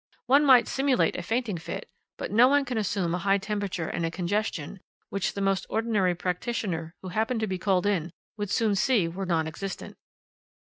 One might simulate a fainting fit, but no one can assume a high temperature and a congestion, which the most ordinary practitioner who happened to be called in would soon see were non existent.